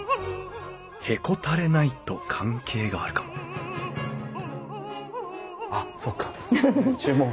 「へこたれない」と関係があるかもあっそっか注文。